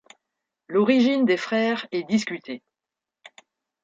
L'origine des frères est discutée.